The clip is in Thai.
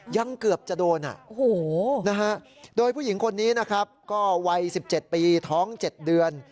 ยังเกือบจะโดนโดยผู้หญิงคนนี้นะครับก็วัย๑๗ปีท้อง๗เดือน